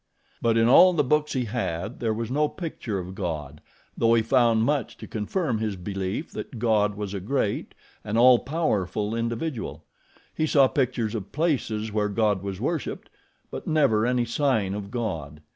But in all the books he had there was no picture of God, though he found much to confirm his belief that God was a great, an all powerful individual. He saw pictures of places where God was worshiped; but never any sign of God.